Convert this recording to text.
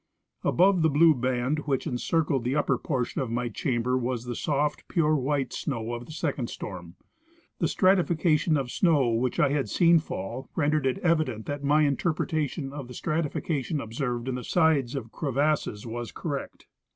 Above the blue band which encircled the ujoper portion of my chamber was the soft, pure white snow of the second storm. The stratification of snow which I had seen fall rendered it evident that my interpretation of the strat ification observed in the sides of crevasses was correct.